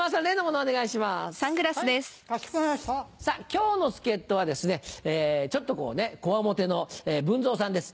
今日の助っ人はですねちょっとこわもての文蔵さんです。